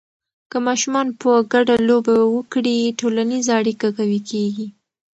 که ماشومان په ګډه لوبې وکړي، ټولنیزه اړیکه قوي کېږي.